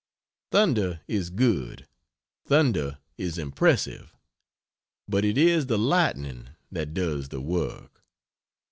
Thunder is good, thunder is impressive; but it is the lightning that does the work.